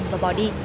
họ đã bỏ đi